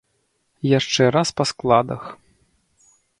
Яшчэ раз па складах.